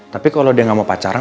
tapi kalo dia gak mau pacaran